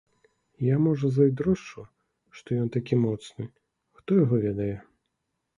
Я, можа, зайздрошчу, што ён такі моцны, хто яго ведае.